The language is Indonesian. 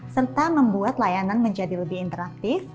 serta membuat layanan menjadi lebih interaktif